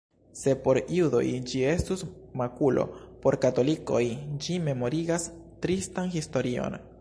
Se por judoj ĝi estus makulo, por katolikoj ĝi memorigas tristan historion.